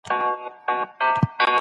اقتصادي لاسنیوی لویه نېکي ده.